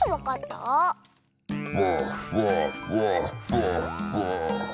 フォッフォッフォッフォッフォッ。